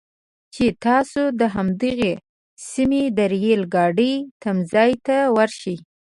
چې تاسو د همدغې سیمې د ریل ګاډي تمځي ته ورشئ.